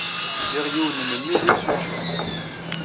Liɣ yiwen n memmi d imsujji.